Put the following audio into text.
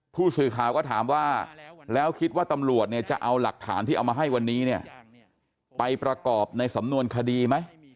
ผู้สื่อข่าวก็ถามว่าแล้วคิดว่าตำรวจเนี่ยจะเอาหลักฐานที่เอามาให้วันนี้เนี่ยไปประกอบในสำนวนคดีไหม